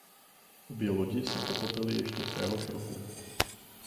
Obě lodi se potopily ještě téhož roku.